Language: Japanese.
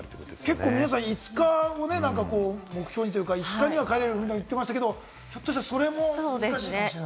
結構、皆さん、５日を目標にというか、５日に帰れるみたいに言ってましたけれども、ひょっとしたらそれも難しいかもしれない。